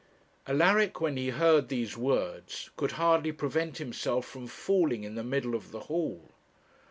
Alaric, when he heard these words, could hardly prevent himself from falling in the middle of the hall.